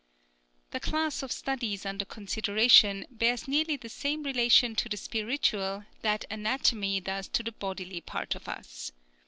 The class of studies under consideration bears nearly the same relation to the spiritual that anatomy does to the bodily part of us.